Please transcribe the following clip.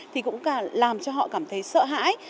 thì cũng làm cho họ cảm thấy sợ hãi